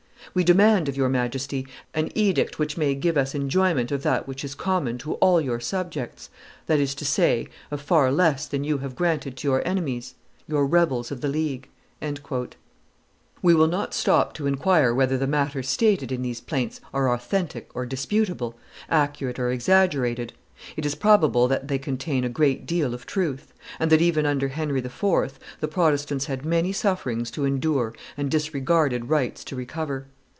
We demand of your Majesty an edict which may give us enjoyment of that which is common to all your subjects, that is to say, of far less than you have granted to your enemies, your rebels of the League." We will not stop to inquire whether the matters stated in these plaints are authentic or disputable, accurate or exaggerated; it is probable that they contain a great deal of truth, and that, even under Henry IV., the Protestants had many sufferings to endure and disregarded rights to recover.